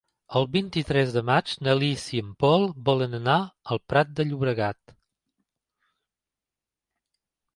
El vint-i-tres de maig na Lis i en Pol volen anar al Prat de Llobregat.